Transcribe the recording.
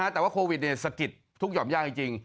แต่ว่าโควิดสะกิดทุกหย่อมยากจริง